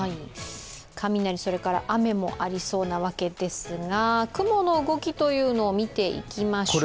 雷、それから雨もありそうなわけなんですが雲の動きというのを見ていきましょう。